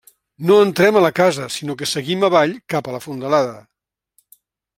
No entrem a la casa, sinó que seguim avall cap a la fondalada.